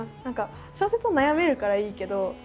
何か小説は悩めるからいいけど。